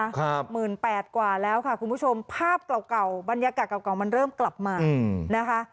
หมื่นแปดกว่าแล้วค่ะคุณผู้ชมภาพเก่าเก่าบรรยากาศเก่าเก่ามันเริ่มกลับมาอืมนะคะ